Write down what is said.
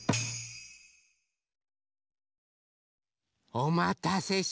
おまたせしました。